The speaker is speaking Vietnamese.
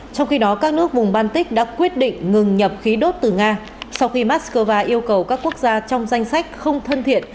trong khi đó các nước vùng baltic đã quyết định ngừng nhập khí đốt từ nga sau khi moscow yêu cầu các quốc gia trong danh sách không thân thiện